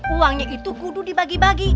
uangnya itu kudu dibagi bagi